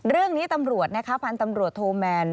เรื่องนี้ตำรวจนะคะพันธุ์ตำรวจโทแมน